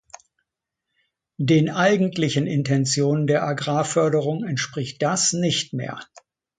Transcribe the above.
Den eigentlichen Intentionen der Agrarförderung entspricht das nicht mehr.